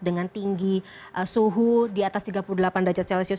dengan tinggi suhu di atas tiga puluh delapan derajat celcius